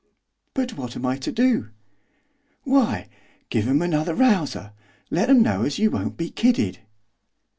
'But what am I to do?' 'Why, give 'em another rouser let 'em know as you won't be kidded!